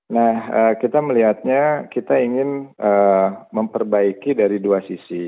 nah kita melihatnya kita ingin memperbaiki dari dua sisi